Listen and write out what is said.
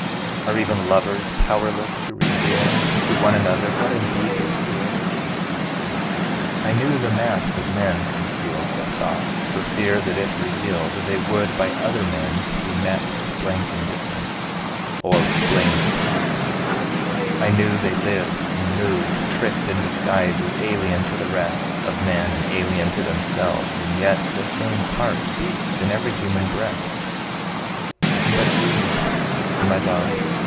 Are even lovers powerless to reveal To one another what indeed they feel? I knew the mass of men concealed Their thoughts, for fear that if revealed They would by other men be met With blank indifference, or with blame reproved; I knew they lived and moved Tricked in disguises, alien to the rest Of men, and alien to themselves and yet The same heart beats in every human breast! But we my love!